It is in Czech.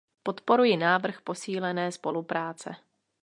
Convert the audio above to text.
Podporuji návrh posílené spolupráce.